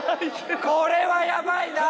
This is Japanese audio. これはやばいな。